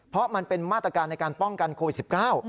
เพราะมันเป็นมาตรการในการป้องกันโควิดสิบเก้า